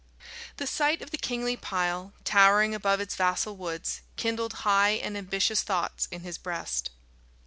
The sight of the kingly pile, towering above its vassal woods, kindled high and ambitious thoughts in his breast.